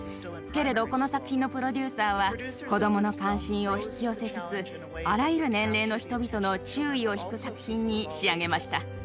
けれど、この作品のプロデューサーは子どもの関心を引き寄せつつあらゆる年齢の人々の注意を引く作品に仕上げました。